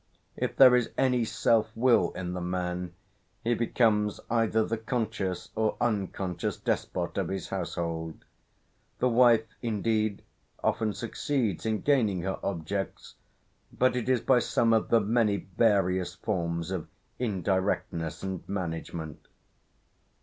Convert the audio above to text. If there is any self will in the man, he becomes either the conscious or unconscious despot of his household. The wife, indeed, often succeeds in gaining her objects, but it is by some of the many various forms of indirectness and management."